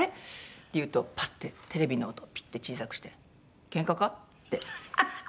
っていうとパッてテレビの音をピッて小さくして「ケンカか？」って。ハハハハ。